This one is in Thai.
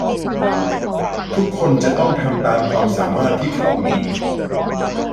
ทุกคนจะต้องทำตามความสามารถที่เขามี